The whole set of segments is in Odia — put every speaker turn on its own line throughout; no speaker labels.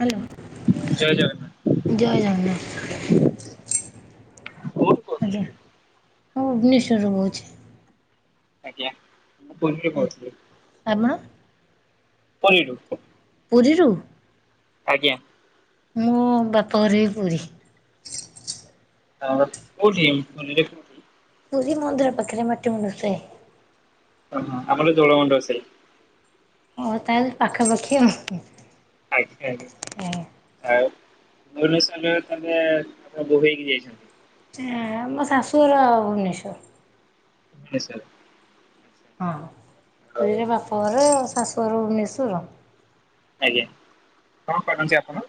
ହାଲୋ
ଜୟ ଜଗନ୍ନାଥ
ଜୟ ଜଗନ୍ନାଥ।
କୋଉଠୁ କହୁଥିଲେ?
ଆଜ୍ଞା ମୁଁ ଭୁବନେଶ୍ଵର ରେ କହୁଛି।
ଆଜ୍ଞା ମୁଁ ପୁରୀ ରୁ କହୁଥିଲି।
ଆମା
ପଲିରୁୁ।
ପୁରୀରୁ?
ଆଜ୍ଞା।
ମୁଁ ବାପ ଘରବି ପୁରୀ।
ଆଉ କୋଉଠି ପୁରୀ ରେ
ପୁରୀ ମନ୍ଦିର ପାଖରେ ମାଟି ମୁଣ୍ଡୁ ସାଇ।
ଓହୋ ଆମର ଦୋଳ ମୁଣ୍ଡ ସାଇ।
ଓ ତାହାଲେ ପାଖାପାଖି ଆଉ।
ଆଜ୍ଞା ଆଜ୍ଞା।
ଆଜ୍ଞା
ଆଉ [unintelligible] ବୋହୂ ହେଇକି ଯାଇଛନ୍ତି?
ଛା ମୋ ଶାଶୁଘର ଭୁବନେଶ୍ୱର।
ମେଶର।
ହଁ
ଆଉ
ପୁରୀରେ ବାପ ଘର ଶାଶୁଘର ଭୁବନେଶ୍ଵର।
ଆଜ୍ଞା କଣ କରନ୍ତି ଆପଣ?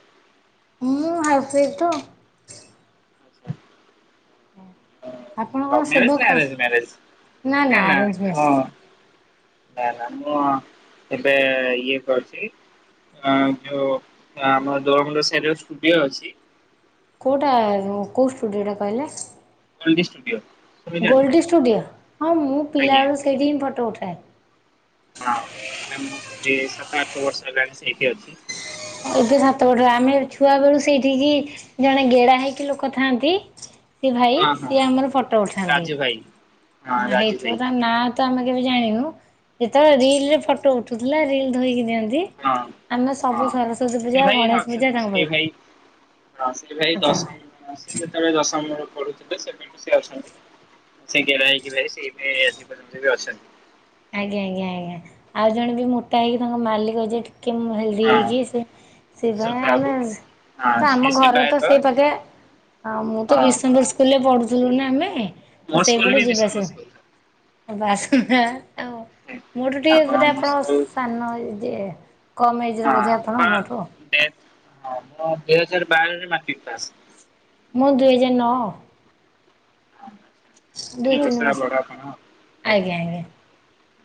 ମୁଁ ହାଉସ୍ ୱାଇଫ ତ। ଆପଣ
ଆଚ୍ଛା।
କଣ
ଲଭ୍ ମ୍ୟାରେଜ
ସେବକ
ନାଁ ଆରେଞ୍ଜ ମ୍ୟାରେଜ
ନା ନା
ନାଁ ନାଁ
ଆରେଞ୍ଜ
ଅ
ମ୍ୟାରେଜ
ନା ନା ମୁଁ ଏବେ ଇଏ କରୁଛି। ଆ ଯୋଉ ଆମର ଦୋଳ ମୁଣ୍ଡ ସାହିରେ ଷ୍ଟୁଡିଓ ଅଛି
କେଉଟା କଉ ଷ୍ଟୁଡ଼ିଓ ଟା କହିଲେ?
Goal D studio..
ଗୋଲ୍ ଡିଷ୍ଟୁଡ଼ିଓ ହଁ ମୁଁ
ଆଜ୍ଞା
ପିଲାବେଳୁ ସେଇଠି ହିଁ ଫଟୋ ଉଠାଏ।
ହଁ ଏବେ ମୁଁ ସେଇଠି ସାତ ଆଠ ବର୍ଷ ହେଲାଣି ସେଇଠି ଅଛି।
ଏବେ ସାତ ପଟ ଆମେ ଛୁଆ ବେଳୁ ସେଇଠିକି ଜଣେ ଗେଡା ହେଇକି ଲୋକ ଥାଆନ୍ତି ସେ ଭାଇ
ହଁ ହଁ
ସିଏ ଆମର ଫଟୋ ଉଠାନ୍ତି
ରାଜୁ ଭାଇ।
ହଁ
ରାଜୁ ଭାଇ
ହେଇଥିବ ତା ନା ତ ଆମେ କେବେ ଜାଣିନୁ ଯେତେବେଳେ ରିଲ ରେ ଫଟୋ ଉଠୁଥିଲା ରିଲ ଧୋଇକି ଦିଅନ୍ତି।
ହଁ
ଆମେ ସବୁ
ହଁ।
ଶର
ସେ ଭାଇ [unintelligible] ସେଇ ଭାଇ ହ ସେ ଭାଇ ଦଶ
ଆଜ୍ଞା
ସିଏ ଯେତେବେଳେ ଦଶମରେ ପଢୁଥିଲେ ସେବେଠୁ ସିଏ ଅଛନ୍ତି। ସେ ଗେଡା ହେଇକି ଭାଇ ସେ ଏବେ ଆଜି ପର୍ଯ୍ୟନ୍ତ ବି ଅଛନ୍ତି।
ଆଜ୍ଞା ଆଜ୍ଞା ଆଜ୍ଞା ଆଉ ଜଣେ ବି ମୋଟା ହେଇକି ତାଙ୍କ ମାଲିକ ଯିଏ ଟିକେ
ହଁ
ହେଇକି ସେ ସେପାଇ
ସୁଭା ବାବୁ
ଆମେ
ହଁ
ତ
ସେ
ଆମ ଘରେ ତ
ସେବାୟତ
ସେଇ ପାଖେ ହଁ ମୁଁ ତ ବିଷ୍ଣପୁର ସ୍କୁଲରେ ପଢୁଥିଲୁ ନା ଆମେ
ମୋ
ତ
ସ୍କୁଲ ବି
ସେଇପଟେ ଯିବା
ବିଷମ
ଆସିବା
ସ୍କୁଲ।
ବାସ ଆଉ ମୋ ଠୁ ଟିକେ ବୋଧେ
ମୋ
ଆପଣ
ସ୍କୁଲ
ସାନ କମ ଏଜର ବୋଧେ ଆପଣ ମୋଠୁ।
[unintelligible] ଦୁଇ ହଜାର ବାର ରେ ମାଟ୍ରିକ୍ ପାସ୍।
ମୁଁ ଦୁଇ ହଜାର ନଅ। ଦୁଇ ତିନି ବର୍ଷ ଆଜ୍ଞା ଆଜ୍ଞା।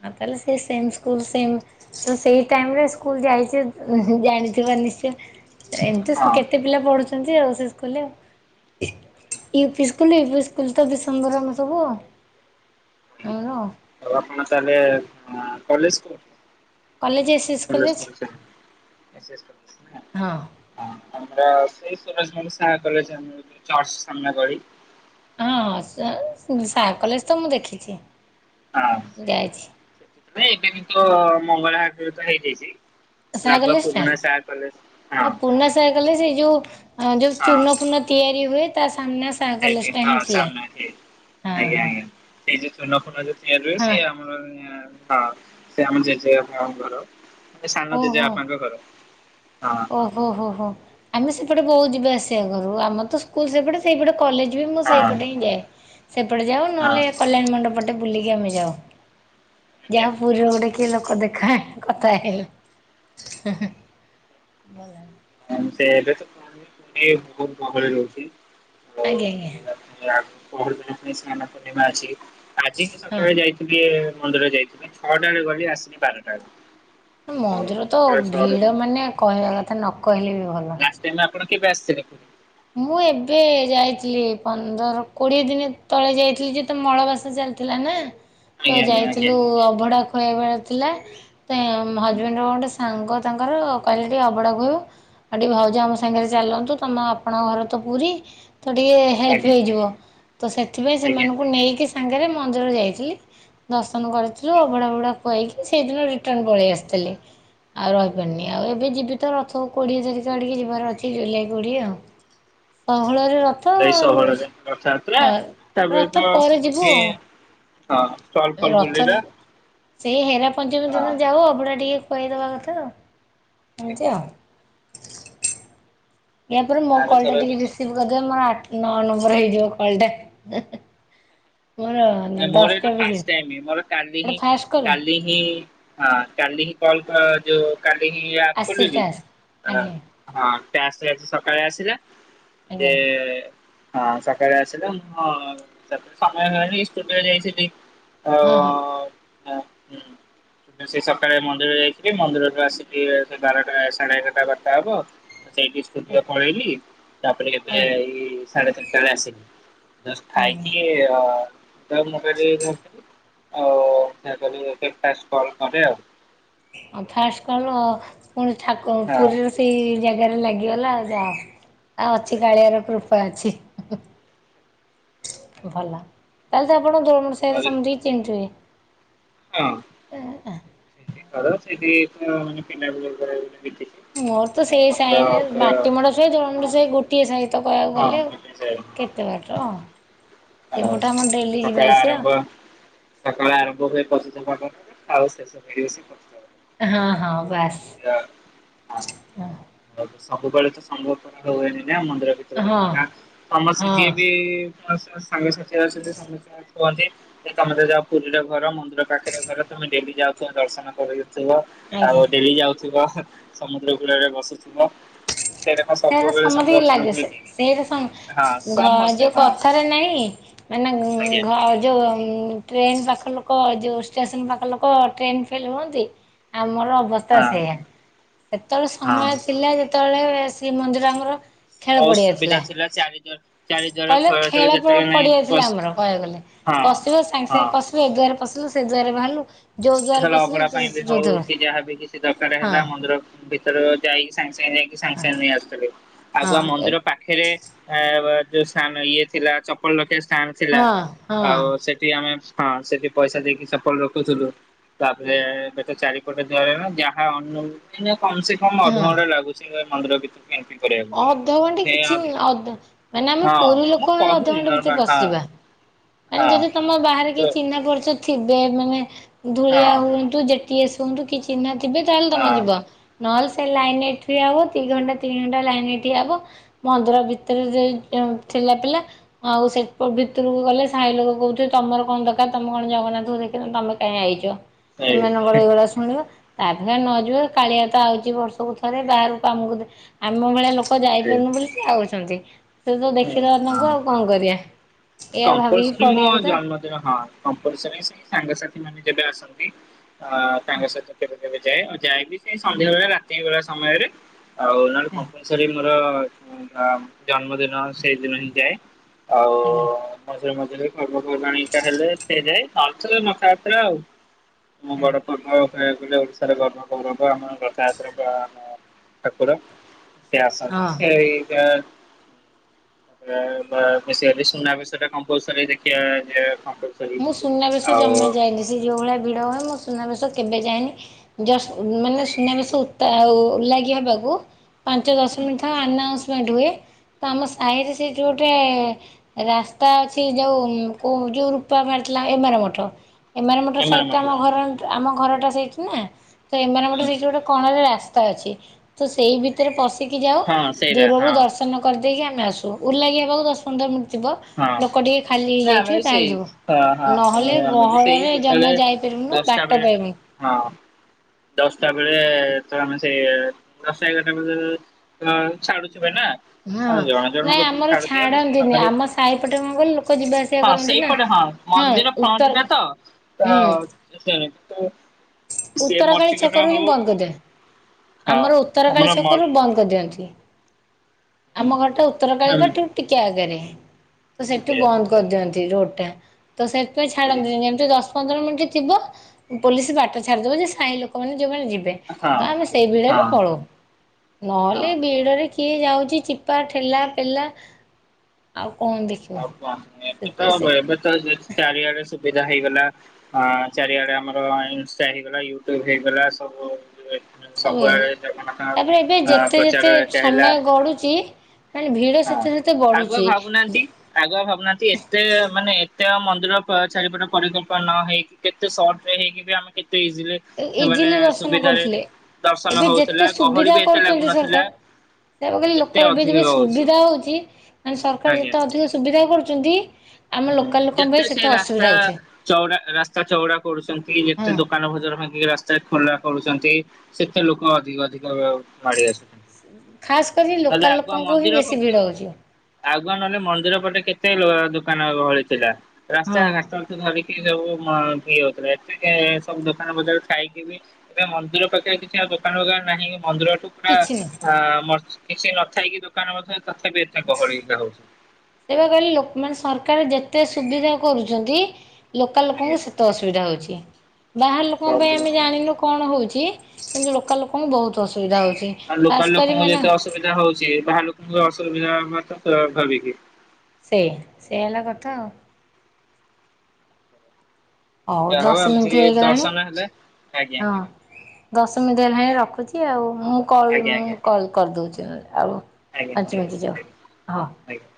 ଆଉ ତାହେଲେ ସେ ସେମ୍ ସ୍କୁଲ୍ ସେମ୍ ତ ସେଇ ଟାଇମ୍ ରେ ସ୍କୁଲ୍ ଯାଇଛେ ଉ ଜାଣିଥିବ ନିଶ୍ଚୟ ଏମତି
ହଁ।
କେତେ ପିଲା ପଢୁଛନ୍ତିି ଆଉ ସେ ସ୍କୁଲ ରେ। U P school U P school ତ ବି ସଙ୍ଗରାମ ସବୁ ଆଉ ଆମର ଆଉ।
ଆଉ ଆପଣ ତାହେଲେ କଲେଜ କ [unintelligible] [unintelligible]
କଲେଜ ଏସ୍ ଏସ୍ କଲେଜ ହଁ।
ଆମର ସେଇ ସୁରଜଭାନୁ ସାର କଲେଜ ଚର୍ଚ୍ଚ ସାମ୍ନା ଗଳି
ହଁ ସେଇ ସା
ହଁ
କଲେଜ ତ ମୁଁ ଦେଖିଛି।
ହଁ [unintelligible]
ଯାଇଛି।
ଏବେ କିନ୍ତୁ ମଙ୍ଗଳା [unintelligible] ହେଇଯାଇଛି।
ସାହା
ଆଗୁଆ ପୁରୁଣା ଶା କଲେଜ୍ ହଁ।
ତା କଲେଜ୍ ଏଇ ଯୋଉ ଯୋଉ
ହଁ
ଚୁନ ଫୁଣ ତିଆରି ହୁଏ ତା ସାମ୍ନା ସା କଲେଜ
ସେଇଠି
ଟା
ହଁ
ହିଁ ଥିଲା।
ସାମ୍ନା [unintelligible]
ହଁ
ଆଜ୍ଞା
ହଁ
ଆଜ୍ଞା। ସେଇ ଯୋଉ ଚୂନା ଫୁନ ଯୋଉ ତିଆରି ହୁଏ
ହଁ
ସିଏ ଆମର ହଁ ସେ ଆମ ଜେଜେଙ୍କ ଘର। ସାନ ଜେଜେ ବାପାଙ୍କ ଘର ହଁ।
ହୋ ହୋ ହୋ ଆମେ ସେପଟେ ବହୁତ ଯିବା ଆସିବା କରୁ। ଆମର ତ ସ୍କୁଲ ସେପଟେ ସେଇପଟ କଲେଜ ବି ମୁଁ
ହଁ।
ସେଇପଟେ ହିଁ ଯାଏ ସେପଟେ ଯାଉ ନହେଲେ କଲ୍ୟାଣୀ ମଣ୍ଡପ ପଟେ ବୁଲିକି ଆମେ ଯାଉ
ଆଜ୍ଞା
ଯାହା ପୁରୀର ଗୋଟେ କିଏ ଲୋକ ଦେଖା କଥା ହେଇଲେ। ହୁଁ ହୁଁ। ଭଲ ହେଲା।
ହଁ ସେ ଏବେ ତ [unintelligible] ବହୁତ ଗହଳି ରହୁଛି।
ଆଜ୍ଞା ଆଜ୍ଞା।
ଆ ପହରଦିନ ପୁଣି ସ୍ନାନ ପୂର୍ଣ୍ଣିମା ଅଛି ଆଜି ହିଁ
ହଁ।
ସକାଳେ ଯାଇଥି ଟିକେ ମନ୍ଦିର ଯାଇଥିଲି ଛଅଟାରେ ଗଲି ଆସିଲି ବାରଟା ରେ।
ମନ୍ଦିର ତ ଭିଡ ମାନେ କହିବା କଥା ନ କହିଲେ ବି ଭଲ।
[unintelligible] ଆପଣ କେବେ ଆସିିବେ ପୁରୀ?
ମୁଁ ଏବେ ଯାଥିଲି ପନ୍ଦର କୋଡିଏ ଦିନି ତଳେ ଯାଇଥିଲି ଯେହେତୁ ମଳବାସ ଚାଲିଥିଲା ନା।
ହଁ।
ତ ଯାଇଥିଲୁ ଅଭଡା ଖୁଆଇବାର ଥିଲା ତ ହଜବେଣ୍ଡ ଗୋଟେ ସାଙ୍ଗ ତାଙ୍କର କହିଲେ ଟିକେ ଅଭଡା ଖୁଆଇବ ଆଉ ଟିକେ ଭାଉଜ ଆମ ସାଙ୍ଗରେ ଚାଲନ୍ତୁ ତମ ଆପଣଙ୍କ ଘର ତ ପୁରୀ ତ ଟିକେ ହେଲ୍ପ
ଆଜ୍ଞା
ହେଇଯିବ ତ ସେଥିପାଇଁ
ଆଜ୍ଞା।
ସେମାନଙ୍କୁ ନେଇକି ସାଙ୍ଗରେ ମନ୍ଦିର ଯାଇଥିଲି। ଦର୍ଶନ କରିଥିଲୁ ଅଭଡା ଫବଡା ଖୁଆଇକି ସେଇଦିନ ରିଟର୍ଣ୍ଣ ପଳେଇ ଆସିଥିଲି। ଆଉ ରହିପାରିନି ଆଉ ଏବେ ଯିବି ତ ରଥ କୋଡିଏ ତାରିଖ ଆଡିକେ ଯିବାର ଅଛି ଜୁଲାଇ କୋଡିଏ ଆଉ। ଷୋହଳ ରେ ର
ଏଇ ଷୋହଳରେ ରଥଯାତ୍ରା ତାପରେ
ରଥ
ତ
ପରେ ଯିବୁ
ସେ
ଆଉ।
ହଁ ଚଲ ଫଲ
ରଥ
ବୁଲିଲା
ସେଇ ହେରା ପଞ୍ଚମୀ ଦିନ ଯାଉ ଅଭଡା ଟିକେ ଖୁଆଇଦବା କଥା ଏମତି ଆଉ। ୟା ପରେ ମୋ କଲ୍ ଟା
ଆରଥର ବି
ଟିକେ ରିସିଭ୍ କରିଦେବେ ମୋର ଆଠ ନଅ ନମ୍ବର ହେଇଯିବ କଲ ଟା। ମୋର
ଏ ମୋର
ଦଶଟା
ଏଇଟା
ବିଜି
ଫାଷ୍ଟ ଟାଇମ୍ ମୋର କାଲି
ଏଟା
ହିଁ
ଫାଷ୍ଟ କଲ୍ ନା
କାଲି ହିଁଁ ହଁ କାଲି ହିଁ କଲ ର ଯୋଉ କାଲି ହିଁ ଆପ୍
ଆସିଛି
ଖୋଲିଲି
ଟାସ୍କ
ଆଁ।
ଆଜ୍ଞା
ହଁ ଟ୍ୟାକ୍ସ ଆସି ସକାଳେ ଆସିଲ ଯେ
ଆଜ୍ଞା
ହଁ ସକାଳେ ଆସିଲା ମୁଁ ସମୟ [unintelligible] ଓ ହଁ ହୁଁ। ସେଇ ସକାଳେ ମନ୍ଦିର ଯାଇଥିଲି ମନ୍ଦିରରୁୁ ଆସିକି ସେ ବାରଟା ସାଢେ ଏଗାରଟା ବାରଟା ହବ ସେଇଟି ସ୍କୁଟିରେ ପଳେଇଲି ତାପରେ ଏବେ
ଆଜ୍ଞା
ଏଇ ସାଢେ ଚାରି ଟା ରେ ଆସିଲି ଜଷ୍ଟ
ଆଜ୍ଞା
ଖାଇକି ଏ [unintelligible]
ହ ଫାଷ୍ଟ କଲ ପୁଣି ଠାକୁ
ହଁ।
ପୁରୀରୁ ସେଇ ଜାଗାରେ ଲାଗିଗଲା ଆଉ ଯାହା ଆଉ ଅଛି କାଳିଆର କୃପା ଅଛି। ଭଲ ତାହେଲେ ତ ଆପଣ ଯୋଉ ସେଇଠି
ନହେଲେ
ସମିସ୍ତିକି ଚିହ୍ନିଥିବେ।
ହଁ। [unintelligible]
ମୋର ତ
ଆଉ
ସେଇ
ଆମର
ସାାଇନ
ତ ହଁ
[unintelligible] ଗୋଟିଏ ସହିତ କହିବାକୁ
ହଁ
ଗଲେ
ଗୋଟେ ସେ ହଁ
କେତେ ବାଟ।
ଆଉ
ସେପଟେ ଆମର ଡେଲି ଯିବା ଆସିଆ।
ସକାଳେ ଆରମ୍ଭ ହୁଏ ପତିତ ପାବନରେ ଆଉ ଶେଷ ହୁଏ ସେଇ [unintelligible]
ହଁ ହଁ ବା
ର ହଁ ତ ସବୁବେଳେ ତ ସମ୍ଭବ ପର ହୁଏ ନି ନା ମନ୍ଦିର [unintelligible] କୁହନ୍ତି ତମେ
ହଁ
ତ ଯାହୁ ପୁରୀରେ ଘର ମନ୍ଦିର ପାଖରେ ଘର ତମେ ଡେଲି ଯାଉଥିବ ଦର୍ଶନ କରୁଇ ଥିବ।
ଆଜ୍ଞା।
ଆଉ ଡେଲି ଯାଉଥିବ ସମୁଦ୍ର କୂଳରେ ବସୁଥିବ। ସେଇଟା କଣ
ସେଇରା
ସବୁବେଳେ
ସମତିକି
ସମ୍ଭବପର
ଲାଗେ
ହୁଏ
ସେ
କି?
ସେଇରାଆ
ହଁ
ସମ୍ ଘ
ସମସ୍ତେ
ଯୋଉ
ହଁ
କଥାରେ ନାଇଁ ମାନେ
ଆଜ୍ଞା
ଘ ଯୋଉ ଉ ଟ୍ରେନ ପାଖ ଲୋକ ଯୋଉ ଷ୍ଟେସନ ପାଖ ଲୋକ ଟ୍ରେନ ଫେଲ ହୁଅନ୍ତି। ଆମର ଅବସ୍ ସ୍ତାଆ
ହଁ
ସେଇଆ ସେତେବେଳେ
ହଁ।
ସମୟ ଥିଲା ଯେତେବେଳେ ଶ୍ରୀ ମନ୍ଦିର ଆମର ଖେଳ
ବହୁତ
ପଡିଆ
ସୁବିଧା ଥିଲା ଚାରିଦ୍ବାର
କହିଲେ ଖେଳ ପ ପଡିଆ ଥିଲା
ପଶ୍
ଆମର କହିବାକୁ ଗଲେ
ହଁ
ପଶିବ ସାଙ୍ଗେ ସାଙ୍ଗେ
ହଁ।
ପଶ ବୁ ଏ ଦ୍ୱାରେ ପଶିଲୁ ସେ ଦ୍ୱାରେ ବାହାରିଲୁ ଯୋଉ ଦ୍ୱାର
ଏଥର
ପଶିଲେ
ଅଭଡା ପାଇଁ ବି
ଯୋ
ହଉ
ଯୋଧର
କି
ହଁ।
ତର ଯାଇକି ସାଙ୍ଗେ ସାଙ୍ଗେ ଯାଇକି ସାଙ୍ଗେ
ହଁ
ସାଙ୍ଗେ ନେଇ ଆସୁଥିଲେ
ହଁ
ଆଗୁଆ
ଏ
ମନ୍ଦିର ପାଖ ପାଖରେ ଏ ଯୋଉ ସାନ୍ ଇଏ ଥିଲା ଚପଲ ରଖିବାକୁ ଷ୍ଟାଣ୍ଡ ଥିଲା
ହଁ ହଁ
ଆଉ ସେ ସେଠି ଆମେ ହଁ ସେଠି ପଇସା ଦେଇକି ଚପଲ ରଖୁଥିଲୁ ତାପରେ ତ ଚାରିପଟେ ଦ୍ୱାର ରେ ନା ଯାହା ମିନିମମ୍ କମ ସେ କମ ଅଧ
ହଁ
ଘଣ୍ଟା ଲାଗୁଛି ଏ ମନ୍ଦିର ଭିତରେ ଏଣ୍ଟ୍ରି କରିବାକୁ
ଅଧଘଣ୍ଟେ
ସେ
କିଛି
ଅ
ଅଧ ମାନେ ଆମେ ପୁରୀ
ହଁ
ଲୋକ
ମୁଁ କହିଲି ନର୍ମାଲ ହଁ। [inaudible]
ମାନ ଯଦି ତମ ବାହାରେ କିଏ ଚିହ୍ନା ପରିଚୟ ଥିବେ ମାନେ ଧୂଳିଆ
ହଁ
ହୁଅନ୍ତୁ ଯେ ଟିଏ ସ୍ ହୁଅନ୍ତୁ କି ଚିହ୍ନା ଥିବେ ତାହେଲେ ତମେ
ହଁ
ଯିବ ନହଲେ ସେ ଲାଇନ ରେ ଠିଆ ହୁଅ ଦି ଘଣ୍ଟା ନିନି ଘଣ୍ଟା ଲାଇନ ରେ ଠିଆ ହବ ମନ୍ଦିର ଭିତରେ ସେ ଯଉ ଠେଲା ପେଲା। ଆଉ ସେ ପ ଭିତରକୁ ଗଲେ ସାହି ଲୋକ କହୁଥିବେ ତମର କଣ ଦରକାର ତମେ କଣ ଜଗନ୍ନାଥଙ୍କୁ ଦେଖିନ ତମେ କାଇଁ ଆଇଚ
ସେଇ
ସେମାନଙ୍କର ଏଇଭଳିଆ ଶୁ ଣିବ ତାପରେ ନ ଯିବେ କାଳିଆ ତ ଆଉଛି ବର୍ଷକୁ ଥରେ ବାହାରକୁ କାମକୁ ଆମ ଭଳିଆ ଲୋକ କ
ସେଇ
ଯାଇପାରୁନୁ ବୋଲି ସିଏ ଆଉଛନ୍ତି ସେଉ ଟୁ ତ ଦେଖିଦବା ତାଙ୍କୁ
ହଁ।
ଆଉ କଣ କରିବା। ଏ ଭାବିକି ପଡିଆ କଥା।
ହ କମ୍ପଲସରି ସାଙ୍ଗସଥି ମାନେ ଯେବେ ଆସନ୍ତି ଆ ତାଙ୍କ ସହିତ କେ କେବେ ଯାଏ ଆଉ ଯାଏ ସେ ସନ୍ଧ୍ୟାବେଳେ ରାତି ବେଳା ସମୟରେ। ଆଉ ନହଲେ କମ୍ପଲସରି ମୋର ଜନ୍ମଦିନ ସେଇଦିନ ହିଁ ଯାଏ। ଆଉ ମଝିରେ ମଝିରେ ପର୍ବ ପର୍ବାଣିଟା ହେଲେ ସେ ଯା ରଥ ଯାତ୍ରା ଆଉ। ମୁଁ ବଡ ପର୍ବ କହିବାକୁ ଗଲେ ଓଡିଶାର ଗର୍ବ ଗୌରବ ଆମ ରଥଯାତ୍ରା ବା ଆମ ଠାକୁର। ସେ ଆସନ୍ତି [unintelligible] ଶୁନା ବେଶ। ସେଟା କମ୍ପଲସରି ଦେଖିଆ [unintelligible]
ମୁଁ ସୁନାବେଶ ଜମା ଯାଏନି ସେ ଯୋଉ ଭଳିଆ ଭିଡ ହୁଏ ମୁଁ ସୁନାବେଶ କେବେ ଯାଏନି। ଜଷ୍ଟ ମାନେ ସୁନାବେଶ ଉତା ଉ ଓଲାଗି [unintelligible] ପାଞ୍ଚ ଦଶ ମିନିଟ୍ ଥାଏ ଆନାଉନ୍ସମେଣ୍ଟ ହୁଏ। ତ ଆମ ସାହିରେ ସେଠି ଗୋଟେ ରାସ୍ତା ଅଛି ଯୋଉ କୋଉ ଯୋଉ ମାରଥିଲା ଏମାର ମଠ ଏମାର ମଠ ସାଇଟଟା ଆମ ଘର ଆମ ଘରଟା ସେଇଠି ନା। ତ ଏମାର ମଠ ସେଇଠି ଗୋଟେ କଣରେ ରାସ୍ତା ଅଛି ତ ସେଇ ଭି ଭିତରେ ପଶିକି ଯାଉ
ହଁ ସେଇଟା
ଦୂରରୁ
ହଁ
ଦର୍ଶନ କରିଦେଇକି ଆମେ ଆସୁ ଓଲାଗି ହେବାକୁ ଦଶ ପନ୍ଦର ମିନିଟ୍ ଥିବ।
ହଁ
ଲୋକ ଟିକେ ଖାଲି
ନା ଆମେ
ହେଇଯାଇଥିବେ
ବି ସେଇ
ତାହେଲେ ଯିବୁ।
ହଁ ହଁ
ନହେଲେ
ଆମେ ଆମେ ବି ସେଇ
ଗହଳରେ
ଯେତେବେଳେ
ଜମା ଯାଇପାରିବୁନୁ
ଦଶଟା
ବାଟ
ବେଳେ
ପାଇବୁନୁ।
ହଁ ଦଶଟା ବେଳେ ତ ଆମେ ସେ ଦଶ ଏଗାରଟା ବେଳେ- ତ ଛାଡୁଥିବେ ନା।
ହଁ
ଆଉ ଜଣ ଜଣ
ନାଇଁ
ଲୋକଙ୍କୁ
ଆମର
ଛାଡୁଥିବେ ଆମେ ସେଇ
ଛାଡନ୍ତିନି
ସମୟରେ
ଆମ ସାହିପଟେ ମୁଁ ଗଲେ ଲୋକ ଯିବା ଆସ
ହଁ ସେଇପଟ ହଁ ମନ୍ଦିର ଫ୍ରଣ୍ଟଟା ତ
ହୁଁ
ସେ
ଉତ୍ତରକାଳୀ
ମର୍ସିକଟା
ଛକରୁ ହିଁ
ହଉ।
ବନ୍ଦ କରିଦିଅ।
ହଁ
ଆମର
ଆମର
ଉତ୍ତରକାଳୀ
ମଲ୍
ଛକରୁ ବନ୍ଦ। କରିଦିଅନ୍ତି ଆମ ଘରଟା ଉତ୍ତର କଳୀଙ୍କଠୁ ଟିକେ ଆଗରେ। ତ ସେଠି ବନ୍ଦ
ଆଚ୍ଛା
କରିଦିଅନ୍ତି ରୋଡ ଟା ତ ସେଥିପାଇଁ
ଆଜ୍ଞା
ଛାଡନ୍ତିନି ଯେମିତି ଦଶ ପନ୍ଦର ମିନିଟ ଥିବ ପୋଲିସ ବାଟ ଛାଡିଦେବେ ଯେ ସାହି ଲୋକମାନେ ଯୋଉମାନେ ଯିବେ।
ହଁ।
ସେ ଭିଡ ବି
ହଁ
ପଳଉ
ହଁ
ନହେଲେ ଭିଡରେ କି କିଏ ଯାଉଚି ଚିପା ଠେଲା ପେଲା ଆଉ କଣ ଦେଖି
ଆଉ କଣ ଏବେ ତ ଏବେ ତ ଚାରିଆଡେ ସୁବିଧା ହେଇଗଲା। ହଁ ଚାରିଆଡେ ଆମର ଇନଷ୍ଟା ହେଇଗଲା ୟୁଟ୍ୟୁବ ହେଇଗଲା ସବୁ।
ସବୁ
ସବୁଆଡ ଜଗନ୍ନାଥଙ୍କ ଅଁ ପ୍ରଚାର ଏକା ହେଲା।
ପଡ଼ୁଚି।
ହଁ ଆଗୁଆ ଭାବୁନାହାନ୍ତି। ଆଗୁଆ ଭାବୁନାହାନ୍ତି ଏତେ ମାନେ ଏତେ ମନ୍ଦିର ଚାରିପଟେ ପରିକଳ୍ପନା ନ ହେଇକି। କେତେ ସଟରେ ହେଇକି ଆମେ କେତେ ଇଜିଲି ମାନେ
ଇଜିଲି ଦର୍ଶନ
ସୁବିଧାରେ
କରୁଥିଲେ
ଦର୍ଶନ
ଏବେ
ହଉଥିଲା
ଯେତେ
ଗହଳି
ସୁବିଧା
ବି ଏତେ
କରୁଛନ୍ତି
ଲାଗୁନଥିଲା
ସରକାର [unintelligible]
ଯେତେ
ଲୋକ ଏବେ
ଅଧିକ
ଯେବେ
ହଉଛି।
ସୁବିଧା ହଉଚି ମାନେ ସରକାର
ଆଜ୍ଞା
ଯେତେ ଅଧିକ ସୁବିଧା କରୁଚନ୍ତି
ହୁଁ ଯେତେ ସେ ରାସ୍ତା ଚଉଡା ରାସ୍ତା ଚଉଡା କରୁଚନ୍ତି ଯେତେ
ହଁ
ଦୋକାନ ବଜାର ଭାଙ୍ଗିକି ରାସ୍ତା ସେ ଖୋଲା କରୁଚନ୍ତି ସେତେ ଲୋକ ଅଧିକ ଅଧିକ ମାଡି ଆସୁଚନ୍ତି।
ଖାସ୍ କରି ଲୋକାଲ ଲୋକଙ୍କୁ ହିଁ ବେଶୀ ଭିଡ଼ ହେଉଛି।
ଆଉ କଣ ନହେଲେ ମନ୍ଦିର ପଟେ କେତେ ଦୋକାନ ଗହଳି ଥିଲା ରାସ୍ତା
ହଁ
ଘାଟ ଭାବିକି ସବୁ ମ [unintelligible] ଏବେ ସବୁ ଦୋକାନ ବଜାର ଥାଇକି ବି ଏବେ ମନ୍ଦିର ପାଖରେ କିଛି ଆଉ ଦୋକାନ ଫୋକାନ ନାହିଁ ମନ୍ଦିରଠୁ
କିଛି ନାହିଁ
ପୁରା କିଛି ନଥାଇକି ଦୋକାନ ମଧ୍ୟ ତଥାପି ଏତେ ଗହଳି ହେଉଚି।
ସେଇବା କହିଲେ ଲୋକମାନେ ସରକାର ଯେତେ ସୁବିଧା କରୁଚନ୍ତି ଲୋକାଲ
ଆଜ୍ଞା
ଲୋକଙ୍କୁ ସେ ତ ଅସୁବିଧା ହଉଚି ବାହାର ଲୋକଙ୍କ ପାଇଁ
ସବୁ
ଆମେ
ଅସୁବିଧା।
ଜାଣିନୁ କଣ ହଉଚି କିନ୍ତୁ ଲୋକାଲ ଲୋକଙ୍କୁ ବହୁତ ଅସୁବିଧା ହଉଚି।
ଆଉ ଲୋକାଲ ଲୋକଙ୍କୁ ଯେତେ ଅସୁବିଧା ହଉଚି ବାହାର ଲୋକଙ୍କୁ ବି ଅସୁବିଧା ସୋଭାବିକି।
ସେଇଆ ସେଇଆ ହେଲା କଥା ଆଉ। ହଉ
ଯାହା
ଦଶ
ଏମିତି
ମିନିଟ୍ ହେଇଗଲାଣି?
ଦର୍ଶନ ହେଲେ ଆଜ୍ଞା
ହଁ। ଦଶ ମିନିଟ୍ ହେଇଗଲଣି ରଖୁଛି ଆଉ। ମୁଁ କଲ
ଆଜ୍ଞା
ମୁଁ
ଆଜ୍ଞା
କଲ କରିଦଉଛି ନହେଲେ ଆଉ।
ଆଜ୍ଞା
ପାଞ୍ଚ
ଠିକ
ମିନିଟ
ଅଛି
ଯାଉ
ଆଜ୍ଞା
ହଁ।
ଆଜ୍ଞା।